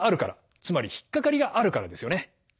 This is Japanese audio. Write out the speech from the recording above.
つまり引っ掛かりがあるからですよね。